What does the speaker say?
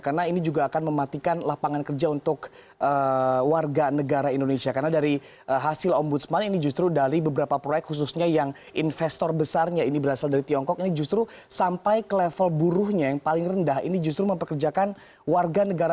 karena ini juga akan mematikan lapangan kerja untuk warga negara indonesia karena dari hasil ombudsman ini justru dari beberapa proyek khususnya yang investor besarnya ini berasal dari tiongkok ini justru sampai ke level buruhnya yang paling rendah ini justru memperkerjakan warga negara